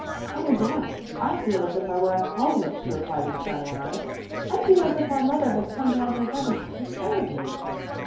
"Oh, yes, I feel as if I were at home," she replied with shining eyes. "I feel as if our mother had come down from heaven to take care of me."